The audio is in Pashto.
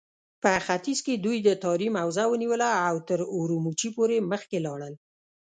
په ختيځ کې دوی د تاريم حوزه ونيوله او تر اورومچي پورې مخکې لاړل.